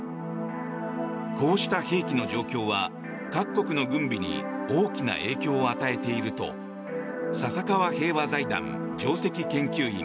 こうした兵器の状況は各国の軍備に大きな影響を与えていると笹川平和財団上席研究員